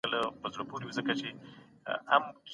له وخته وو ساتلى